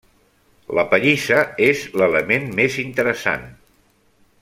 La pallissa és l'element més interessant.